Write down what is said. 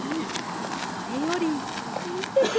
それよりみてください。